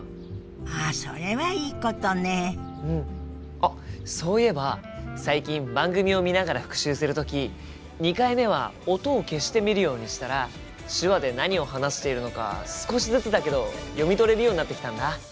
あっそういえば最近番組を見ながら復習する時２回目は音を消して見るようにしたら手話で何を話しているのか少しずつだけど読み取れるようになってきたんだ。